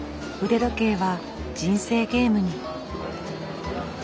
腕時計は人生ゲームに。